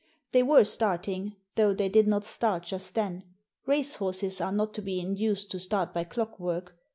They were starting, though they did not start just then. Racehorses are not to be induced to start by clockwork.